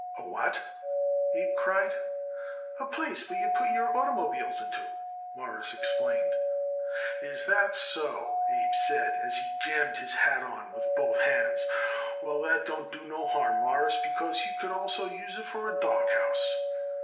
"A what?" Abe cried. "A place what you put oitermobiles into it," Morris explained. "Is that so?" Abe said as he jammed his hat on with both hands. "Well, that don't do no harm, Mawruss, because you could also use it for a dawg house."